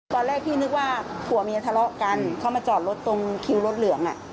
ตอนแรกพี่นึกว่าผัวเมียทะเลาะกันเข้ามาจอดรถตรงคิวรถเหลือง